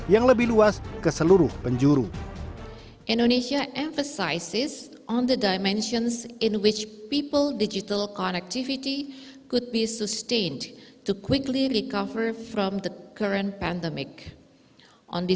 dan kembangkan kembangkan kembangkan kembangkan